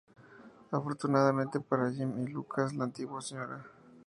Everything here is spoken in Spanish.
Afortunadamente para Jim y Lucas la antigua Sra.